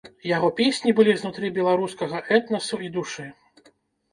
Яго песні былі знутры беларускага этнасу і душы.